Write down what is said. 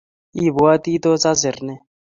Ibwotii tos asiir ne?